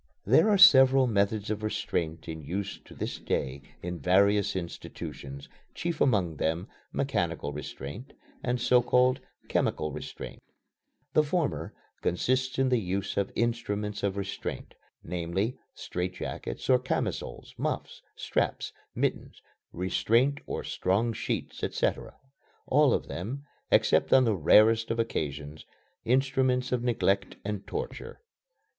There are several methods of restraint in use to this day in various institutions, chief among them "mechanical restraint" and so called "chemical restraint." The former consists in the use of instruments of restraint, namely, strait jackets or camisoles, muffs, straps, mittens, restraint or strong sheets, etc. all of them, except on the rarest of occasions, instruments of neglect and torture.